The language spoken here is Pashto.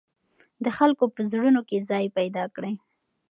د خلکو په زړونو کې ځای پیدا کړئ.